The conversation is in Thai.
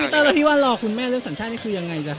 ต้องมีคนแม่อยู่